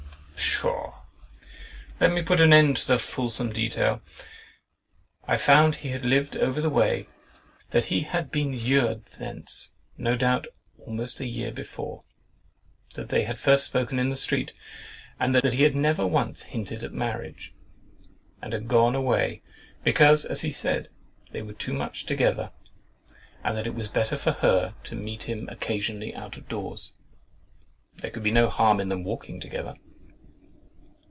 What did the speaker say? Pshaw! let me put an end to the fulsome detail. I found he had lived over the way, that he had been lured thence, no doubt, almost a year before, that they had first spoken in the street, and that he had never once hinted at marriage, and had gone away, because (as he said) they were too much together, and that it was better for her to meet him occasionally out of doors. "There could be no harm in them walking together."